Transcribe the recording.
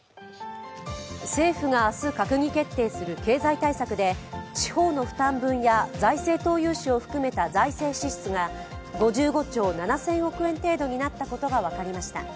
政府が明日、閣議決定する経済対策で地方の負担分や財政投融資を含めた財政支出が５５兆７０００億円程度になったことが分かりました。